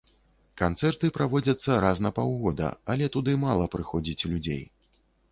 Канцэрты праводзяцца раз на паўгода, але туды мала прыходзіць людзей.